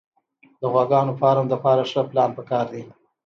د غواګانو فارم دپاره ښه پلان پکار دی